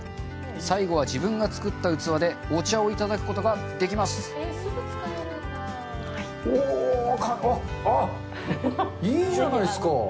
最後は自分が作った器でお茶をいただくことができます！いいじゃないですか！？